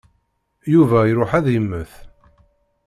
Yuba iṛuḥ ad immet.